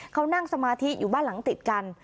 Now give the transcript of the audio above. เขานั่งสมาธิอยู่บ้านหลังติดกัน